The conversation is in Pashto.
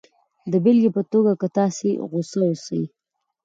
د بېلګې په توګه که تاسې غسه اوسئ